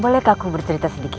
bolehkah aku bercerita sedikit